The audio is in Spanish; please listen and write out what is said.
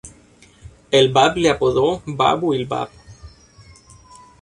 El Báb le apodó "Bábu'l-Báb".